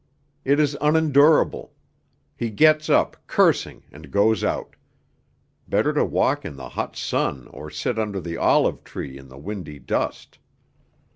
It is unendurable. He gets up, cursing, and goes out; better to walk in the hot sun or sit under the olive tree in the windy dust.